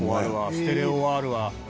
ステレオはあるわ」